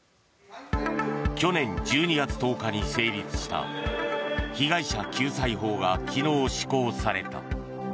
去年１２月１０日に成立した被害者救済法が昨日施行された。